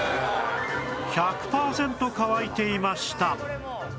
１００パーセント乾いていました